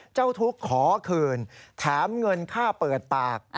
เจ้าทุกข์ขอคืนแถมเงินค่าเปิดปาก